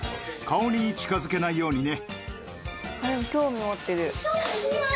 顔に近づけないようにね。